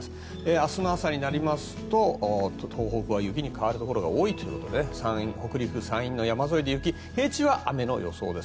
明日の朝になりますと東北は雪に変わるところが多いということで山陰、北陸の山沿いで雪平地は雨の予想です。